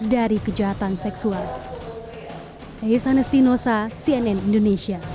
dari kejahatan seksual